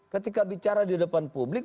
ketika bicara di depan publik